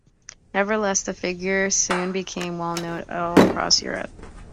Nevertheless, the figure soon became well known all across Europe.